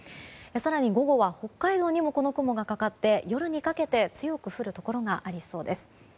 更に午後は北海道にもこの雲がかかって夜にかけて強く降るところがありそうです。